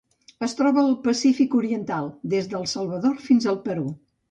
Es troba al Pacífic oriental: des del Salvador fins al Perú.